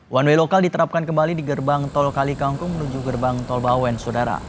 wanwe lokal diterapkan kembali di gerbang tol kalikangkung menuju gerbang tol bawen saudara